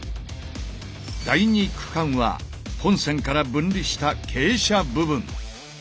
第２区間は本線から分離した傾斜部分。